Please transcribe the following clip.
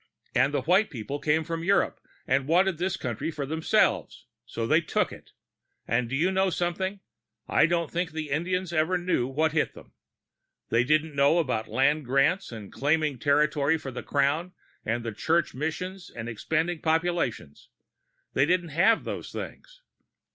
And the white people came from Europe and wanted this country for themselves. So they took it. And do you know something? I don't think the Indians ever knew what hit them." "They didn't know about land grants and claiming territory for the crown and church missions and expanding populations. They didn't have those things.